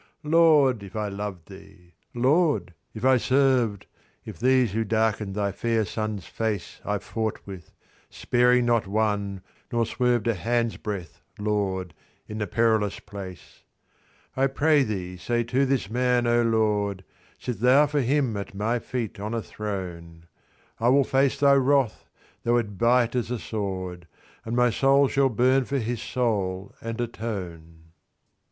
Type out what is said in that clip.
"'Lord, if I loved thee Lord, if I served If these who darkened thy fair Son's face I fought with, sparing not one, nor swerved A hand's breadth, Lord, in the perilous place "'I pray thee say to this man, O Lord, Sit thou for him at my feet on a throne. I will face thy wrath, though it bite as a sword, And my soul shall burn for his soul, and atone.